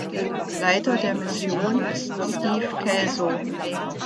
Leiter der Mission ist Steve Kelso.